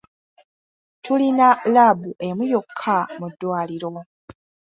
Tulina laabu emu yokka mu ddwaliro.